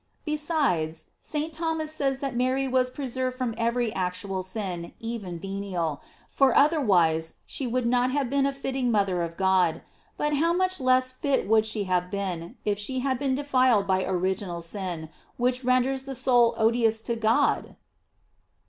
Besides, St. Thomas says that Mary was preserved from every actual sin, even venial, for otherwise she would not have been a fitting mother of God; but how much less fit would she have been, if she had been defiled by original sin, which renders the soul odious to God